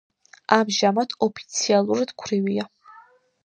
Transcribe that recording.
ამჟამად ოფიციალურად ქვრივია.